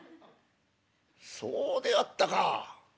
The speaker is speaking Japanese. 「そうであったか。